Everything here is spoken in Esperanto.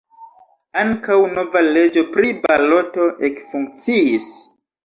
Ankaŭ nova leĝo pri baloto ekfunkciis.